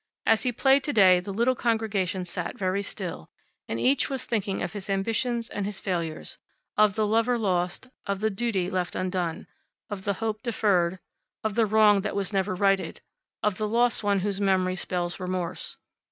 As he played to day the little congregation sat very still, and each was thinking of his ambitions and his failures; of the lover lost, of the duty left undone, of the hope deferred; of the wrong that was never righted; of the lost one whose memory spells remorse.